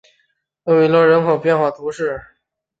厄维勒人口变化图示